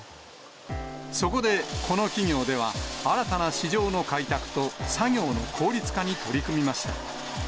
そこでこの企業では、新たな市場の開拓と作業の効率化に取り組みました。